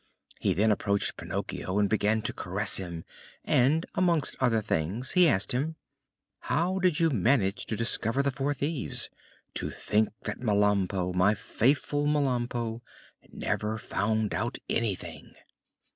He then approached Pinocchio and began to caress him, and amongst other things he asked him: "How did you manage to discover the four thieves? To think that Melampo, my faithful Melampo, never found out anything!"